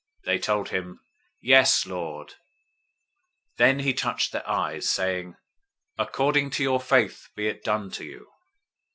They told him, "Yes, Lord." 009:029 Then he touched their eyes, saying, "According to your faith be it done to you."